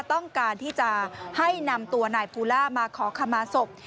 ต้องการที่จะให้นำตัวนายภูล่ามาขอขมาศพ